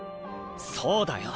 そうだよ。